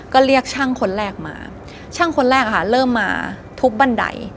ก็เรียกช่างคนแรกมาช่างคนแรกอะค่ะเริ่มมาทุบบันได